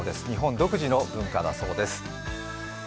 日本独自の文化だそうです。